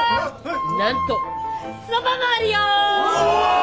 なんとそばもあるよ！